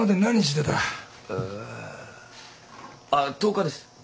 えあっ１０日です。